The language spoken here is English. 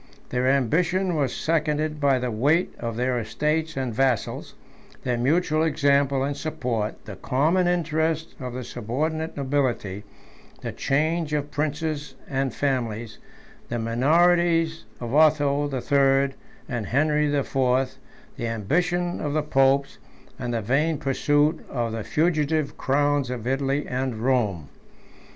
Their ambition was seconded by the weight of their estates and vassals, their mutual example and support, the common interest of the subordinate nobility, the change of princes and families, the minorities of Otho the Third and Henry the Fourth, the ambition of the popes, and the vain pursuit of the fugitive crowns of Italy and Rome.